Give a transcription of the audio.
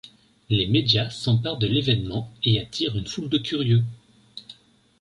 Les médias s’emparent de l’évènement et attirent une foule de curieux…